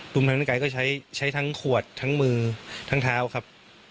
ุ่มทั้งกายก็ใช้ทั้งขวดทั้งมือทั้งเท้าครับ